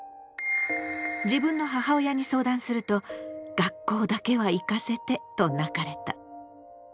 自分の母親に相談すると「学校だけは行かせて」と泣かれた。